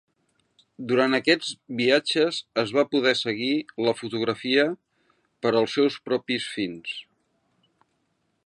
Durant aquests viatges es va poder seguir la fotografia per als seus propis fins.